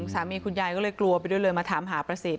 คุณยายก็เลยกลัวไปด้วยเลยมาถามหาประสิทธิ